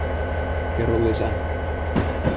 Kerro lisää.